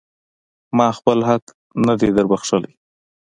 ما خپل حق نه دی در بښلی.